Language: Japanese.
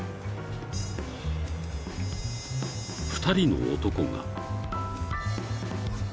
［２人の男が］